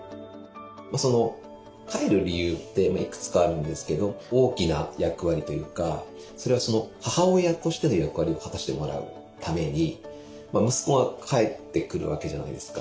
帰る理由っていくつかあるんですけど大きな役割というかそれは母親としての役割を果たしてもらうために息子が帰ってくるわけじゃないですか。